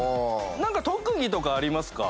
何か特技とかありますか？